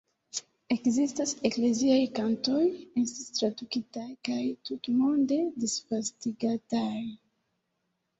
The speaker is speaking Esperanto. Ekzistaj ekleziaj kantoj estis tradukitaj kaj tutmonde disvastigataj.